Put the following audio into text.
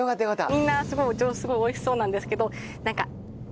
みんなすごい美味しそうなんですけど。